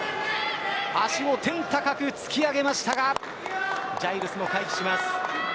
足も天高く突き上げましたがジャイルスも回避します。